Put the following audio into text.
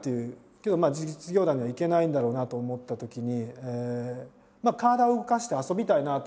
けど実業団には行けないんだろうなと思ったときに体を動かして遊びたいなと思ったんですね。